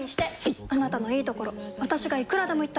いっあなたのいいところ私がいくらでも言ってあげる！